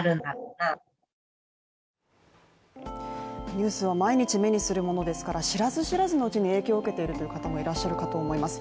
ニュースは毎日目にするものですから知らず知らずのうちに影響を受けているという方もいらっしゃるかと思います